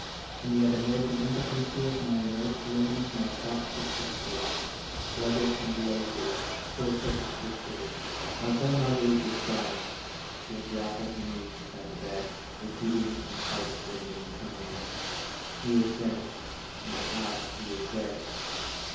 And yet amid the impo tency of m\^ inert limbs my thoughts subsisted, sluggish and lazy, still perfectly clear. My poor Marguerite was crying ; she had dropped on her knees beside the bed, repeating in heart rending tones :( 240 ) ALIVE IN DEATH. 241 He is dead ! My God ! he is dead